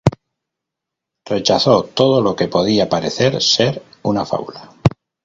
Rechazó todo lo que podía parecer ser una fábula.